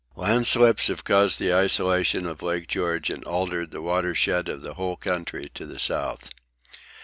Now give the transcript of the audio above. Landslips have caused the isolation of Lake George and altered the watershed of the whole country to the south.